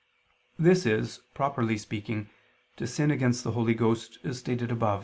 This is, properly speaking, to sin against the Holy Ghost, as stated above (A.